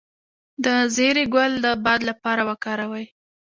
د زیرې ګل د باد لپاره وکاروئ